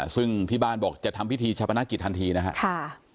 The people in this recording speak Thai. ซึ่งที่บ้านบอกจะทำพิธีชาปนกิจทันทีนะครับ